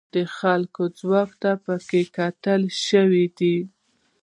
د خلکو ځواک ته پکې کتل شوي دي.